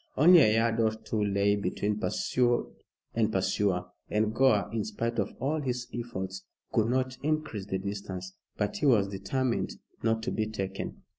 Only a yard or two lay between pursued and pursuer, and Gore, in spite of all his efforts, could not increase the distance. But he was determined not to be taken.